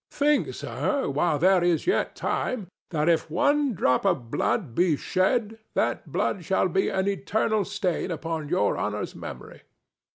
Think, sir, while there is yet time, that if one drop of blood be shed, that blood shall be an eternal stain upon Your Honor's memory.